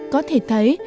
có thể thấy